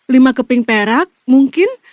lima keping perak mungkin